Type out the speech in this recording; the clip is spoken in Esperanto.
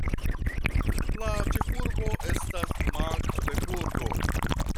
La ĉefurbo estas Magdeburgo.